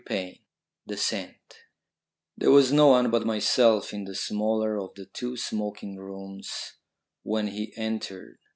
THE SCENT There was no one but myself in the smaller of the two smoking rooms when he entered.